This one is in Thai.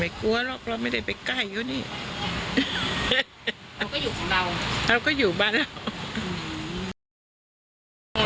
ไม่กลัวหรอกเราไม่ได้ไปใกล้อยู่นี่เราก็อยู่บ้านเรา